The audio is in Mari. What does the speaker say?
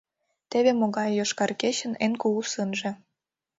Теве могае «Йошкар кечын» эн кугу сынже.